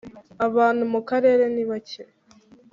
Abantu mu karere nibake.